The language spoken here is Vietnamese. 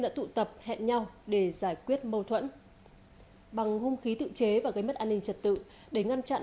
đã tụ tập hẹn nhau để giải quyết mâu thuẫn bằng hung khí tự chế và gây mất an ninh trật tự để ngăn chặn